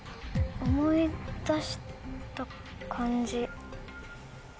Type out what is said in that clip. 思い出した感じ。